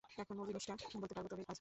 এখন মূল জিনিসটা বলতে পারব, তবে আজ না।